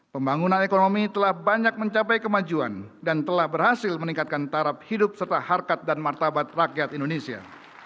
pembangunan ekonomi telah banyak mencapai kemajuan dan telah berhasil meningkatkan tarap hidup serta harkat dan martabat rakyat indonesia